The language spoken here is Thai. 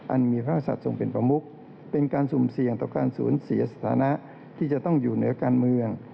อันมีพระศัตว์ทรงเป็นประมุขเป็นการสุ่มเสี่ยงต่อการสูญเสียสถานะที่จะต้องอยู่เหนือการเมือง